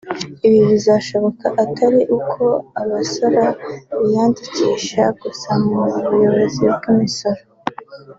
Ibi bizashoboka atari uko abasora biyandikisha gusa mu buyobozi bw’imisoro